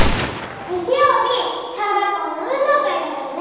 日曜日小学校の運動会だからね。